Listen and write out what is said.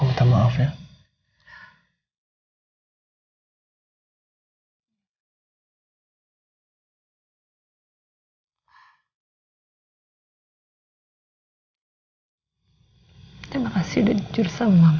mama pengen sekali ketemu andin al